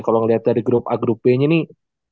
kalau melihat dari grup a grup b nya nih